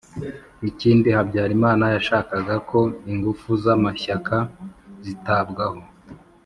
Ikindi Habyarimana yashakaga ko ingufu z’amashyaka zitabwaho